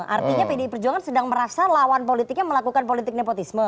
artinya pdi perjuangan sedang merasa lawan politiknya melakukan politik nepotisme